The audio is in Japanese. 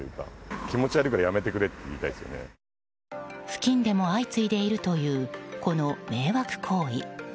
付近でも相次いでいるというこの迷惑行為。